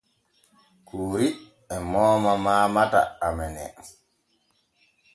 Kuuri e mooma mamata amene.